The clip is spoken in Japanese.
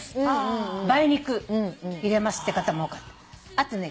あとね